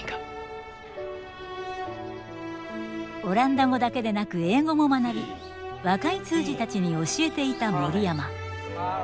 オランダ語だけでなく英語も学び若い通詞たちに教えていた森山。